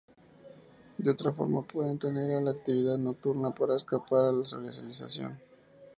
De otra forma pueden tender a la actividad nocturna para escapar a la socialización.